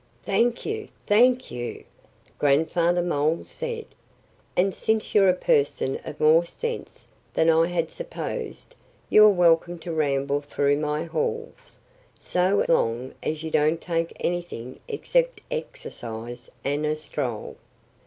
"Thank you! Thank you!" Grandfather Mole said. "And since you're a person of more sense than I had supposed you're welcome to ramble through my halls so long as you don't take anything except exercise and a stroll."